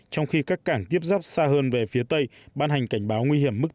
trong khi các cảng tiếp dấp xa hơn về phía tây ban hành cảnh báo nguy hiểm mức tám